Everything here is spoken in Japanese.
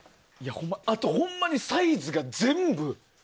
ほんまにサイズが全部。